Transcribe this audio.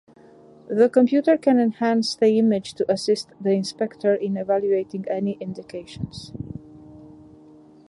The computer can enhance the image to assist the inspector in evaluating any indications.